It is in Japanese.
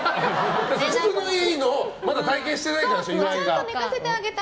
質のいいのをまだ体験してないからでしょ。